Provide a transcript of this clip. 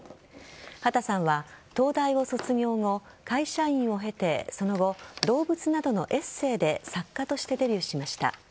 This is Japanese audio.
畑さんは東大を卒業後会社員を経てその後、動物などのエッセーで作家としてデビューしました。